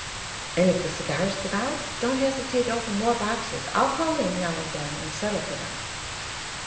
"And if the cigars give out, don't hesitate to open more boxes. I'll call in, now and then, and settle for them."